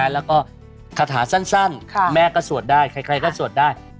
แล้วก็คาถาสั้นแม่ก็สวดได้ใครก็สวดได้